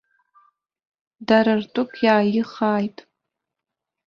Дара ртәык иааихааит.